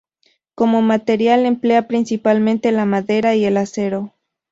Como material emplea principalmente la madera y el acero.